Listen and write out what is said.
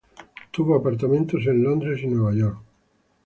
Tuvo apartamentos en Londres y Nueva York.